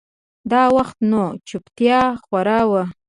دا وخت نو چوپتيا خوره وه.